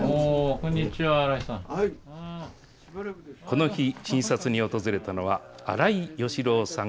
この日、診察に訪れたのは荒井喜郎さん